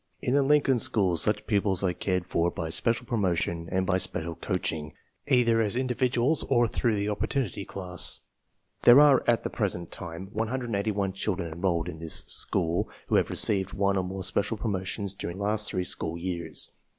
In the Lincoln School such pupils are cared for by special promotion and by special coaching either as individuals or through the opportunity class. There are at the present time 181 children enrolled in this school who have received one or more special promotions dur m ing the last three school years.